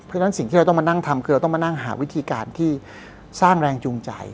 เพราะฉะนั้นสิ่งที่เราต้องมานั่งทำคือเราต้องมานั่งหาวิธีการที่สร้างแรงจูงใจ